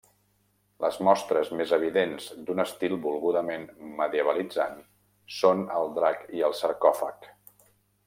Les mostres més evidents d'un estil volgudament medievalitzant són el drac i el sarcòfag.